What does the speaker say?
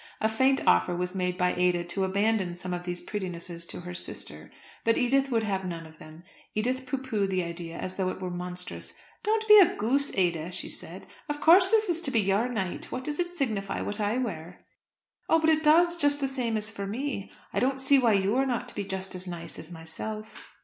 A faint offer was made by Ada to abandon some of these prettinesses to her sister, but Edith would have none of them. Edith pooh poohed the idea as though it were monstrous. "Don't be a goose, Ada," she said; "of course this is to be your night. What does it signify what I wear?" "Oh, but it does; just the same as for me. I don't see why you are not to be just as nice as myself."